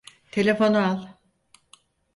Telefonu al.